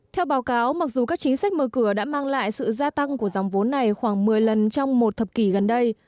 theo báo cáo mặc dù các chính sách mở cửa đã mang lại sự gia tăng của dòng vốn này khoảng một mươi lần trong một thập kỷ gần đây